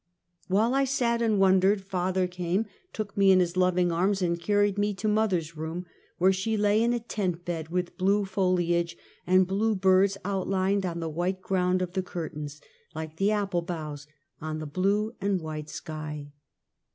While I sat and wondered, father came, took me in his loving arms and carried me to mother's room, where she lay in a tent bed, with blue foliage and blue birds outlined on the white ground of the curtains, like the apple boughs on the blue and white sk}'